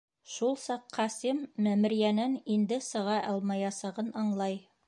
Шул саҡ Ҡасим мәмерйәнән инде сыға алмаясағын аңлай.